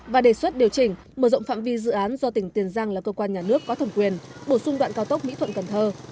và đề xuất điều chỉnh mở rộng phạm vi dự án do tỉnh tiền giang là cơ quan nhà nước có thẩm quyền bổ sung đoạn cao tốc mỹ thuận cần thơ